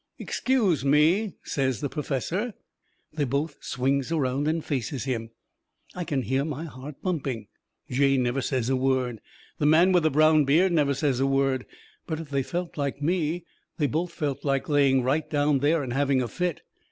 "Excuse me," says the perfessor. They both swings around and faces him. I can hear my heart bumping. Jane never says a word. The man with the brown beard never says a word. But if they felt like me they both felt like laying right down there and having a fit.